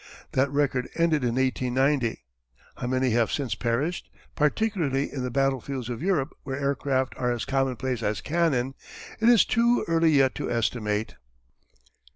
That record ended in 1890. How many have since perished, particularly on the battlefields of Europe where aircraft are as commonplace as cannon, it is too early yet to estimate.